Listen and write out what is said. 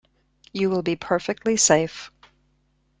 You will be perfectly safe.